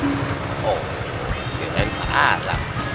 oh jangan parah